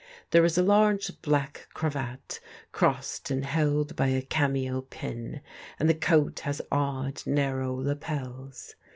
There is a large black cravat crossed and held by a cameo pin, and the coat has odd, narrow lapels.